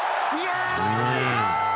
届いた！